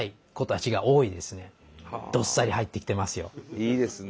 いいですね。